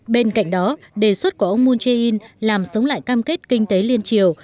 bên cạnh đó đề xuất của ông moon jae in làm sống lại cam kết kinh tế liên triều